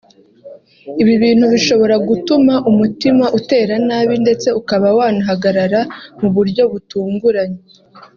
ibintu bishobora gutuma umutima utera nabi ndetse ukaba wanahagarara mu buryo butunguranye